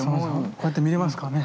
こうやって見れますからね。